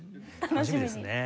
楽しみですね。